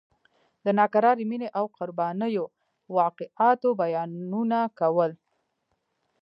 د ناکرارې مینې او قربانیو واقعاتو بیانونه کول.